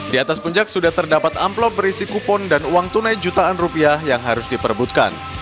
di atas puncak sudah terdapat amplop berisi kupon dan uang tunai jutaan rupiah yang harus diperbutkan